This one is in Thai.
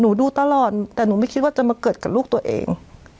ดูตลอดแต่หนูไม่คิดว่าจะมาเกิดกับลูกตัวเอง